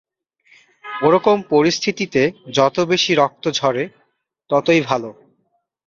ওরকম পরিস্থিতিতে, যত বেশি রক্ত ঝরে, ততোই ভালো।